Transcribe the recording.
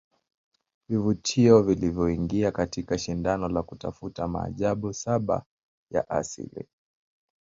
Vivutio vilivyoingia katika shindano la kutafuta maajabu saba ya Asili